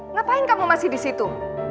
ngapain kamu masih di situ